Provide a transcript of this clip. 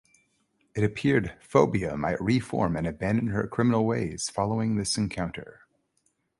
It appeared Phobia might reform and abandon her criminal ways following this encounter.